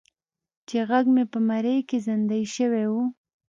چې غږ مې په مرۍ کې زیندۍ شوی و.